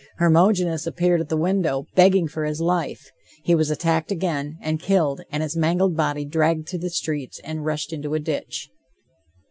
Hermogenes appeared at the window, begging for his life. He was attacked again, and killed, and his mangled body dragged through the streets and rushed into a ditch.